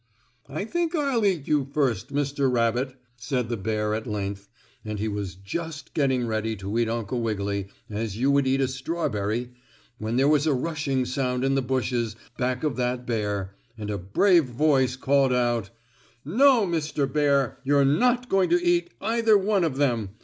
"I think I'll eat you first, Mr. Rabbit," said the bear at length, and he was just getting ready to eat Uncle Wiggily, as you would eat a strawberry, when there was a rushing sound in the bushes back of that bear, and a brave voice called out: "No, Mr. Bear, you're not going to eat either one of them.